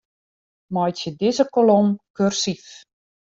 Meitsje dizze kolom kursyf.